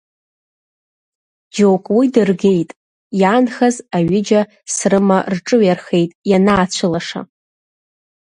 Џьоук уи дыргеит, иаанхаз аҩыџьа срыма рҿыҩархеит ианаацәылаша.